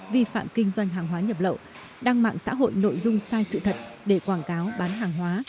vi phạm kinh doanh hàng hóa nhập lậu đăng mạng xã hội nội dung sai sự thật để quảng cáo bán hàng hóa